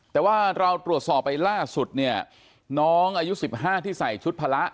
แต่ว่าเราตรวจสอบไปล่าสุดเนี่ยน้องอายุ๑๕ที่ใส่ชุดพละ